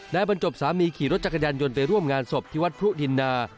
บรรจบสามีขี่รถจักรยานยนต์ไปร่วมงานศพที่วัดพรุดินนา